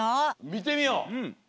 みてみよう！